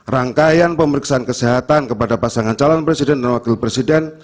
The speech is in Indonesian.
rangkaian pemeriksaan kesehatan kepada pasangan calon presiden dan wakil presiden